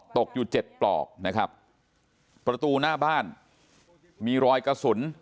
ตกอยู่เจ็ดปลอกนะครับประตูหน้าบ้านมีรอยกระสุน